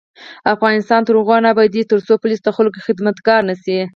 افغانستان تر هغو نه ابادیږي، ترڅو پولیس د خلکو خدمتګار نشي.